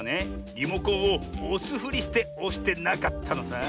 リモコンをおすふりしておしてなかったのさ。